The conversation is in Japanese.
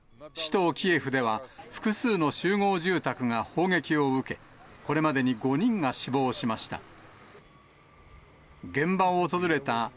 首都キエフでは、複数の集合住宅が砲撃を受け、これまでに５人が死亡しました。